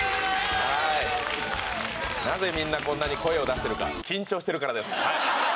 なぜみんなこんなに声を出してるか緊張してるからです